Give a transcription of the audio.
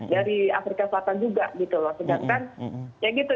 dari afrika selatan juga gitu loh sedangkan itu